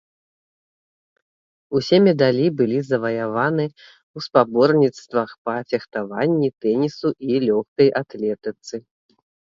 Усе медалі былі заваяваны ў спаборніцтвах па фехтаванні, тэнісу і лёгкай атлетыцы.